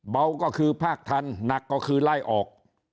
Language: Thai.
เบาก็คือภาคทันหนักก็คือไล่ออก